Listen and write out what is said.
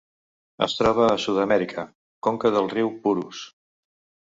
Es troba a Sud-amèrica: conca del riu Purus.